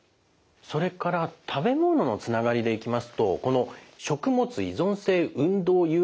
それから食べ物のつながりでいきますとこの食物依存性運動誘発アナフィラキシー。